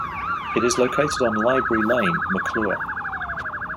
It is located on Library Lane, McClure.